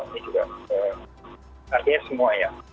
ini juga artinya semua ya